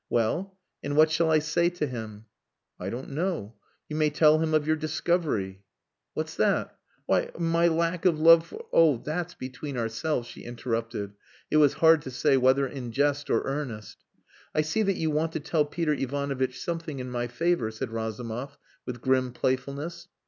"Well and what shall I say to him?" "I don't know. You may tell him of your discovery." "What's that?" "Why my lack of love for...." "Oh! That's between ourselves," she interrupted, it was hard to say whether in jest or earnest. "I see that you want to tell Peter Ivanovitch something in my favour," said Razumov, with grim playfulness.